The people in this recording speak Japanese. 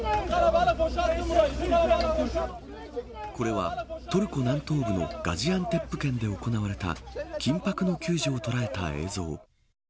これは、トルコ南東部のガジアンテップ県で行われた緊迫の救助を捉えた映像。